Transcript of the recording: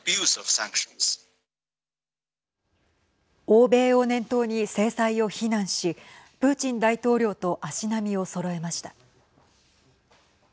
欧米を念頭に制裁を非難しプーチン大統領と足並みをそろえました。